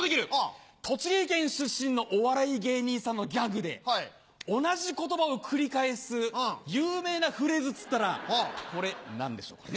栃木県出身のお笑い芸人さんのギャグで同じ言葉を繰り返す有名なフレーズっつったらこれ何でしょうかね？